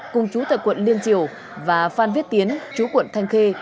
cùng chú tại quận liên triều và phan viết tiến chú quận thanh khê